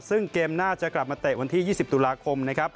ซึ่งเกมหน้าจะกลับมาเตะวันที่๒๐ตุลาคม